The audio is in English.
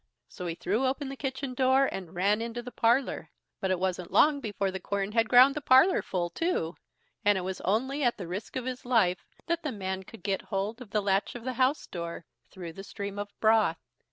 So he threw open the kitchen door and ran into the parlour, but it wasn't long before the quern had ground the parlour full too, and it was only at the risk of his life that the man could get hold of the latch of the house door through the stream of broth.